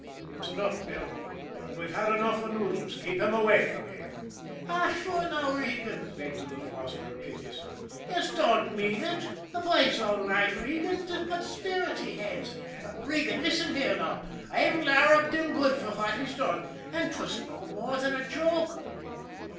"That's enough, Bill and we've had enough of Noodles. Keep him away from here." "Ah, sure now, Regan," begged the little hostler piteously, "yez don't mean ut. The bhoy's all right, Regan 'tis but spirit he has. Regan, listen here now, I've larruped him good for fwhat he's done an' 'twas no more than a joke."